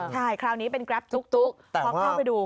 ใช่คราวนี้เป็นแกรปตุ๊กพอเข้าไปดู